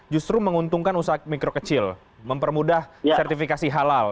justru menguntungkan usaha mikro kecil mempermudah sertifikasi halal